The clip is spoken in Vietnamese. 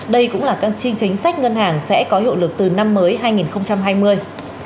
đây cũng là các chi chính sách ngân hàng sẽ có hiệu lực từ năm mới hai nghìn hai mươi